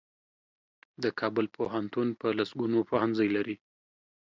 د کابل پوهنتون په لسګونو پوهنځۍ لري.